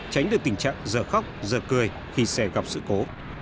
quan trọng giờ khóc giờ cười khi sẽ gặp sự cố